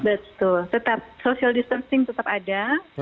betul tetap social distancing tetap ada